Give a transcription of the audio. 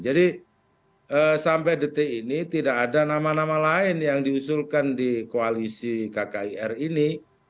jadi sampai detik ini tidak ada nama nama lain yang diusulkan di koalisi kkir ini